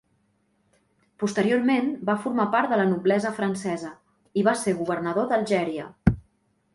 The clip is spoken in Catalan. Posteriorment va formar part de la noblesa francesa i va ser governador d'Algèria.